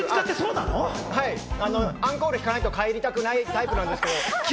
アンコールを弾かないと帰りたくないタイプなんで。